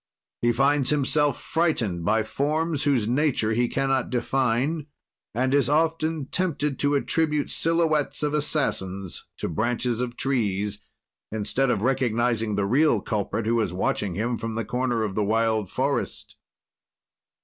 "He finds himself frightened by forms whose nature he cannot define, and is often tempted to attribute silhouettes of assassins to branches of trees, instead of recognizing the real culprit who is watching him from the corner of the wild forest.